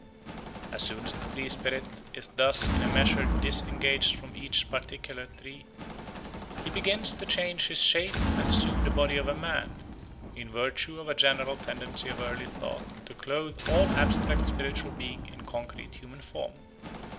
As soon as the tree spirit is thus in a measure disengaged from each particular tree, he begins to change his shape and assume the body of a man, in virtue of a general tendency of early thought to clothe all abstract spiritual beings in concrete human form.